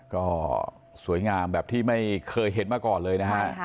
ก็สวยงามแบบที่ไม่เคยเห็นมาก่อนเลยนะฮะ